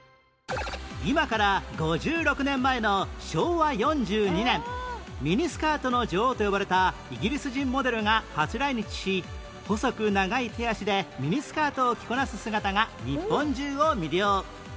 今から５６年前の昭和４２年ミニスカートの女王と呼ばれたイギリス人モデルが初来日し細く長い手足でミニスカートを着こなす姿が日本中を魅了